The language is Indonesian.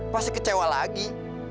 pasti kecewa lagi